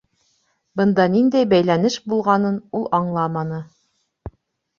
Бында ниндәй бәйләнеш булғанын ул аңламаны.